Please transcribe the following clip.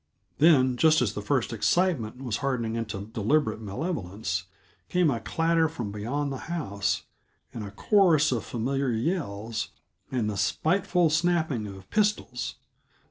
Then, just as the first excitement was hardening into deliberate malevolence, came a clatter from beyond the house, and a chorus of familiar yells and the spiteful snapping of pistols.